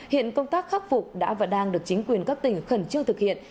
hiện công tác khắc phục đã và đang được chính quyền các tỉnh khẩn trương thực hiện